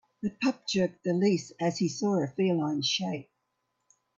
The pup jerked the leash as he saw a feline shape.